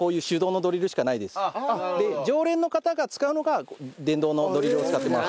常連の方が使うのが電動のドリルを使ってます。